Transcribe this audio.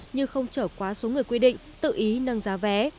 như không trở quá số người quy định tự ý nâng giá vé